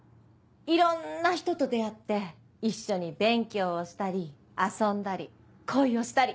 いろんな人と出会って一緒に勉強をしたり遊んだり恋をしたり。